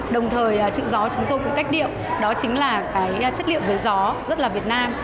đồng thời chữ gió chúng tôi cũng cách điệu đó chính là cái chất liệu giới gió rất là việt nam